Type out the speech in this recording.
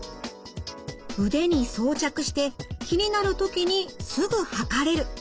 腕に装着して気になる時にすぐ測れる。